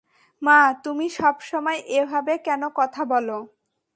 মা, তুমি সবসময় এভাবে কেন কথা বলো?